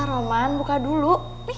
gila roman buka dulu